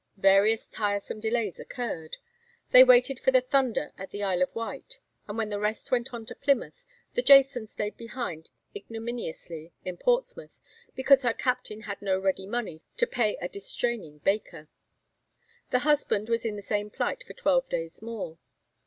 Various tiresome delays occurred. They waited for the 'Thunder' at the Isle of Wight; and when the rest went on to Plymouth, the 'Jason' stayed behind ignominiously in Portsmouth because her captain had no ready money to pay a distraining baker. The 'Husband' was in the same plight for twelve days more.